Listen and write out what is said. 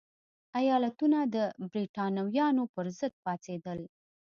ایالتونه د برېټانویانو پرضد پاڅېدل.